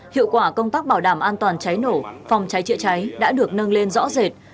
hiệu quả công tác bảo đảm an toàn cháy nổ phòng cháy chữa cháy đã được nâng lên rõ rệt